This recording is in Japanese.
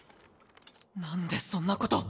なんでそんなこと。